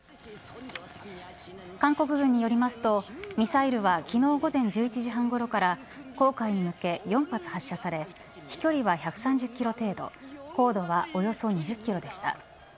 韓国軍によりますとミサイルは昨日、午前１１時半ごろから黄海に向け４発発射され飛距離は１３０キロ程度高度はおよそ２０キロでした。